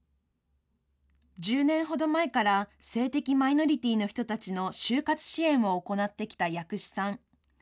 １０年ほど前から、性的マイノリティーの人たちの就活支援を行ってきた藥師さん。